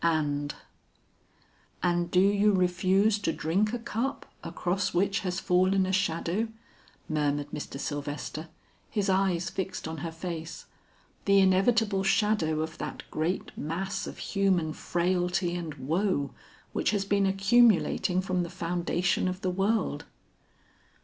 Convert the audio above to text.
"And do you refuse to drink a cup across which has fallen a shadow," murmured Mr. Sylvester, his eyes fixed on her face, "the inevitable shadow of that great mass of human frailty and woe which has been accumulating from the foundation of the world?"